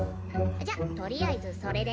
じゃあとりあえずそれで。